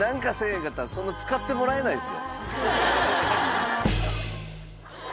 へんかったらそんな使ってもらえないです。